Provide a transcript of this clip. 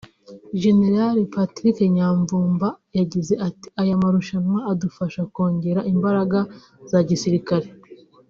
Gen Patrick Nyamvumba yagize ati " Aya marushanwa adufasha kongera imbaraga za gisirikare